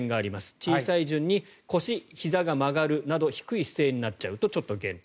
小さい順に腰、ひざが曲がるなど低い姿勢になっちゃうとちょっと減点。